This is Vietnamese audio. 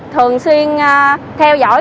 thường xuyên theo dõi